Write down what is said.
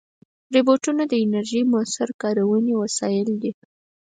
روبوټونه د انرژۍ مؤثره کارونې وسایل دي.